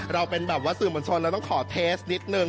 เราเป็นแบบว่าสื่อมวลชนเราต้องขอเทสนิดนึง